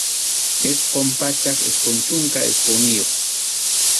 Isqun pachak isqun chunka isqunniyuq.